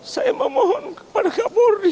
saya memohon kepada kapolri